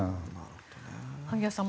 萩谷さん